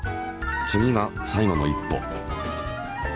次が最後の一歩。